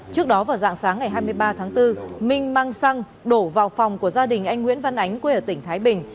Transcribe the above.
trước đó vào dạng sáng ngày hai mươi ba tháng bốn minh mang xăng đổ vào phòng của gia đình anh nguyễn văn ánh quê ở tỉnh thái bình